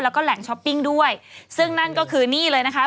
แล้วก็แหล่งช้อปปิ้งด้วยซึ่งนั่นก็คือนี่เลยนะคะ